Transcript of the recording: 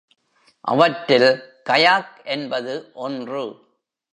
அவற்றில் கயாக் என்பது ஒன்று.